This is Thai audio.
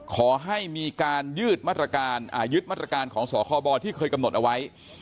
ขอให้มีการยืดมาตรการของสคบที่เคยกำหนดเอาไว้